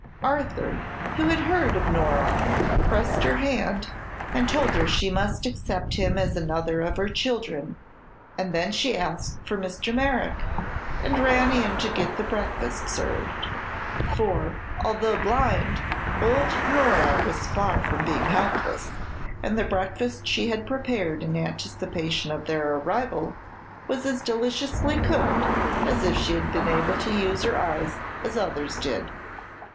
Arthur, who had heard of Nora, pressed her hand and told her she must accept him as another of her children, and then she asked for Mr. Merrick and ran in to get the breakfast served. For, although blind, old Nora was far from being helpless, and the breakfast she had prepared in anticipation of their arrival was as deliciously cooked as if she had been able to use her eyes as others did.